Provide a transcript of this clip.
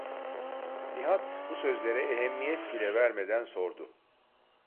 Nihat bu sözlere ehemmiyet bile vermeden sordu: